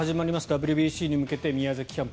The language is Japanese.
ＷＢＣに向けて宮崎キャンプ